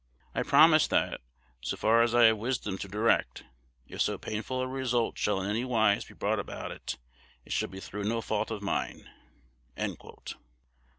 I promise that, so far as I have wisdom to direct, if so painful a result shall in any wise be brought about, it shall be through no fault of mine."